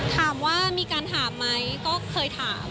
ถามว่ามีการถามไหมก็เคยถาม